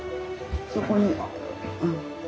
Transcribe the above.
そこに。